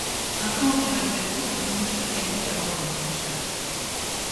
Un camp d’évaluation est tenu chaque année avant le repêchage.